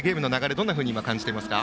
どんなふうに感じていますか？